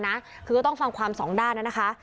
เหมือนกันนะคือก็ต้องฟังความสองด้านนะนะคะ